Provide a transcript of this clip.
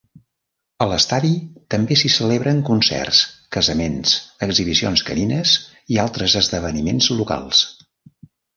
A l'estadi també s'hi celebren concerts, casaments, exhibicions canines i altres esdeveniments locals.